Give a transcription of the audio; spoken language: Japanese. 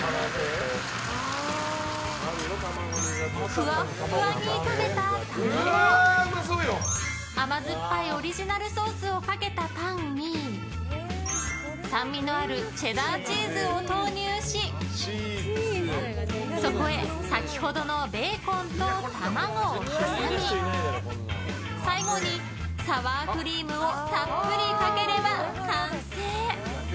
フワッフワに炒めた卵甘酸っぱいオリジナルソースをかけたパンに酸味のあるチェダーチーズを投入しそこへ先ほどのベーコンと卵を挟み最後にサワークリームをたっぷりかければ完成！